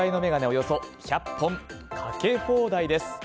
およそ１００本、かけ放題です。